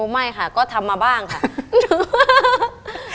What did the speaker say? ไม่ค่ะก็ทำมาบ้างค่ะ